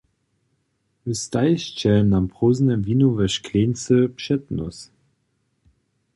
Wy stajišće nam prózdne winowe škleńcy před nós.